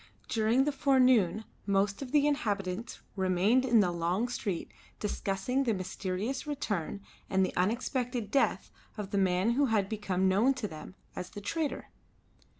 During the forenoon most of the inhabitants remained in the long street discussing the mysterious return and the unexpected death of the man who had become known to them as the trader.